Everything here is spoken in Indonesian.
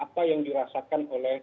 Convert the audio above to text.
apa yang dirasakan oleh